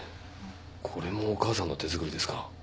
これもお母さんの手作りですか？